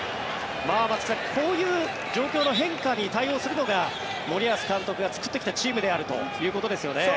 松木さん、こういう状況の変化に対応するのが森保監督が作ってきたチームであるということですね。